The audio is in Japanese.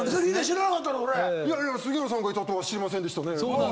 知らなかったの⁉杉村さんがいたとは知りませんでしたね。